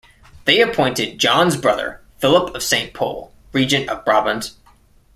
They appointed John's brother, Philip of Saint-Pol, regent of Brabant.